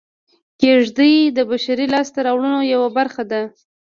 کېږدۍ د بشري لاسته راوړنو یوه برخه ده